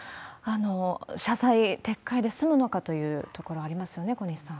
謝罪、撤回で済むのかというところありますよね、小西さん。